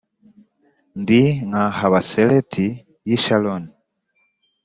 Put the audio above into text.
Ndi nka habaseleti y’i Sharoni